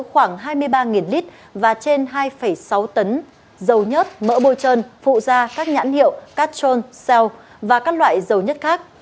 khoảng hai mươi ba lít và trên hai sáu tấn dầu nhất mỡ bồi trơn phụ da các nhãn hiệu catron cell và các loại dầu nhất khác